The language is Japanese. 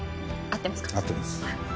合ってます。